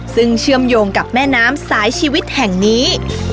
ซึ่งเชื่อมโยงกับแม่น้ำสายชีวิตแห่งนี้